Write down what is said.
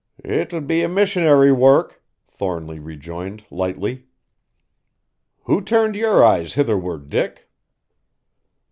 "'T would be a missionary work," Thornly rejoined lightly. "Who turned your eyes hitherward, Dick?"